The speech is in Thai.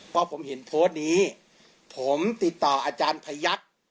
พอผมเห็นโพสต์นี้ผมติดต่ออาจารย์พยักษ์